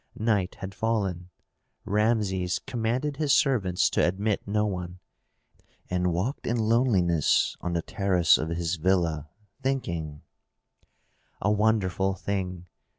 Night had fallen. Rameses commanded his servants to admit no one, and walked in loneliness on the terrace of his villa, thinking, "A wonderful thing!